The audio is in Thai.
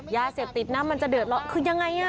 ยาเสียบติดน้ำมันจะเดิดละคือยังไง